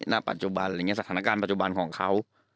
ณปัจจุบันสถานการณ์ปัจจุบันของเขา